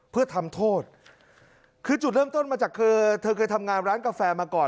เพื่อทำโทษคือจุดเริ่มต้นมาจากเธอเธอเคยทำงานร้านกาแฟมาก่อน